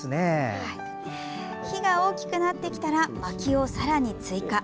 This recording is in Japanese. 火が大きくなってきたらまきをさらに追加。